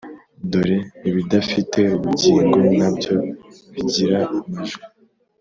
dore ibidafite ubugingo na byo bigira amajwi